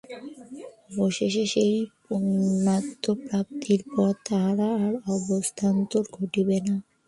অবশেষে সেই পূর্ণত্ব-প্রাপ্তির পর তাহার আর অবস্থান্তর ঘটিবে না।